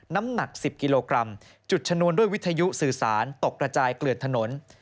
น้ำหนัก๑๐กิโลกรัมจุดชนวนด้วยวิทยุสื่อสารตกกระจายเกลือดถนน